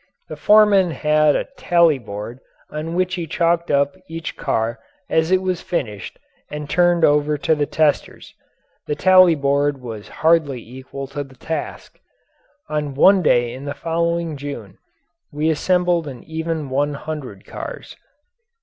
The foreman had a tallyboard on which he chalked up each car as it was finished and turned over to the testers. The tallyboard was hardly equal to the task. On one day in the following June we assembled an even one hundred cars.